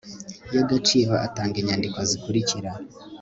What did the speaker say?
y agaciro atanga inyandiko zikurikira